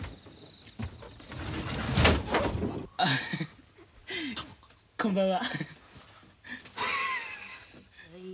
あっフフこんばんは。